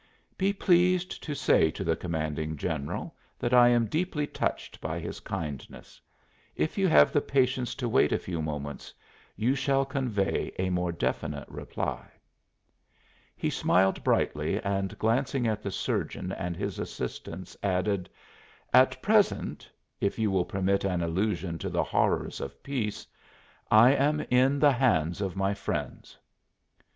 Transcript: "Be pleased to say to the Commanding General that I am deeply touched by his kindness. If you have the patience to wait a few moments you shall convey a more definite reply." He smiled brightly and glancing at the surgeon and his assistants added: "At present if you will permit an allusion to the horrors of peace I am 'in the hands of my friends.'"